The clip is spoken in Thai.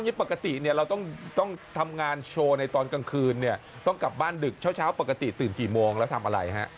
นี่ปกติเนี่ยเราต้องทำงานโชว์ในตอนกลางคืนเนี่ยต้องกลับบ้านดึกเช้าปกติตื่นกี่โมงแล้วทำอะไรฮะ